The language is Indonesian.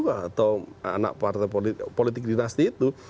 atau anak partai politik dinasti itu